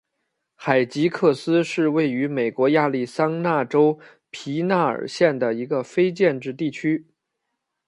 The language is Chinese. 海吉克斯是位于美国亚利桑那州皮纳尔县的一个非建制地区。